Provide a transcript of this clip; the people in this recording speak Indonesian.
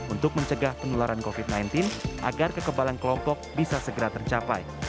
untuk mencegah penularan covid sembilan belas agar kekebalan kelompok bisa segera tercapai